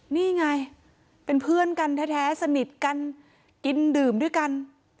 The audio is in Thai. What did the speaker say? นี่ไงเป็นเพื่อนกันแท้สนิทกันกินดื่มด้วยกัน